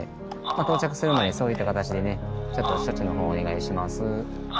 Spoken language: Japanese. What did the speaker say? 到着するまでそういった形でねちょっと処置のほうをお願いします。